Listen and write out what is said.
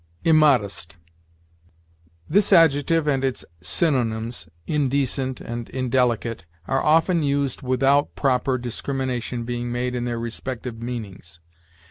IMMODEST. This adjective and its synonyms, indecent and indelicate, are often used without proper discrimination being made in their respective meanings.